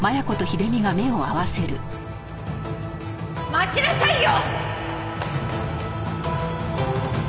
待ちなさいよ！